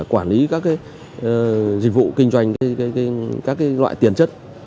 quản lý các cái dịch vụ kinh doanh các cái loại tiền chất